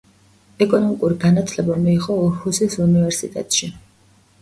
ეკონომიკური განათლება მიიღო ორჰუსის უნივერსიტეტში.